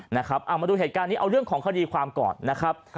มาดูเหตุการณ์นี้เอาเรื่องของคดีความก่อนนะครับ